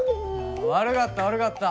悪かった悪かった。